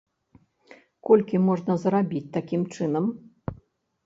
Колькі можна зарабіць такім чынам?